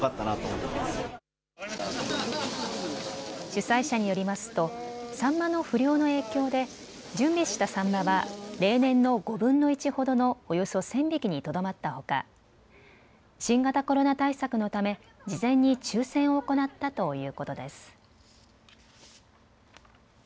主催者によりますとサンマの不漁の影響で準備したサンマは例年の５分の１ほどのおよそ１０００匹にとどまったほか新型コロナ対策のため、事前に抽せんを行ったということです。